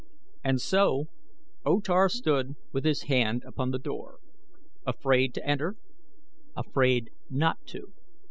And so O Tar stood with his hand upon the door afraid to enter; afraid not to.